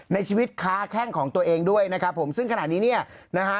ในชีวิตค้าแข้งของตัวเองด้วยนะครับผมซึ่งขณะนี้เนี่ยนะฮะ